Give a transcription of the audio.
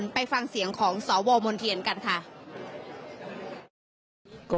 และคนไปฟังเสียงของสศฯมณที่เห็นกันค่ะ